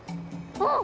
あっ！